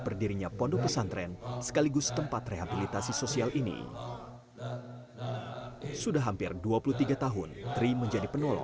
berdirinya pondok pesantren sekaligus tempat rehabilitasi sosial ini sudah hampir dua puluh tiga tahun tri menjadi penolong